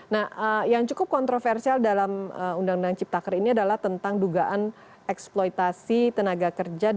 nah yang cukup kontroversial dalam undang undang ciptaker ini adalah tentang dugaan eksploitasi tenaga kerja